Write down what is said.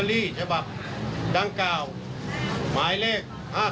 รอเตอรี่ฉบับดังกล่าวหมายเลข๕๓๓๗๖